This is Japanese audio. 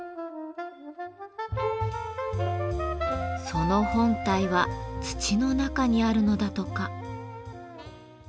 その本体は土の中にあるのだとか。